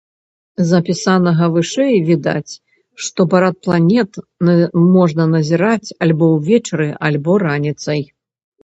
З апісанага вышэй відаць, што парад планет можна назіраць альбо ўвечары, альбо раніцай.